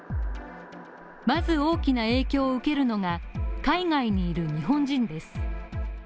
まず大きな影響を受けるのが海外にいる日本人です。